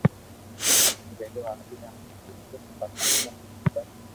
ڀيرو ھالئي ھاليو تو صرف پرماتما رو نوم بس